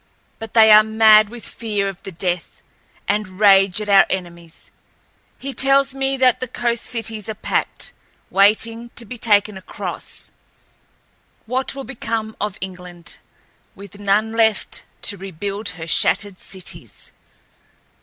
But they are mad with fear of the Death, and rage at our enemies. He tells me that the coast cities are packed ... waiting to be taken across. What will become of England, with none left to rebuild her shattered cities!"